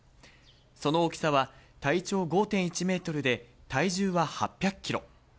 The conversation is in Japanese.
その大きさは、体長５．１メートルで体重は８００キロ。